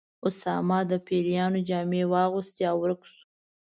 اسامه د پیریانو جامې واغوستې او ورک شو.